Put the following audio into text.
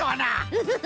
フフフ。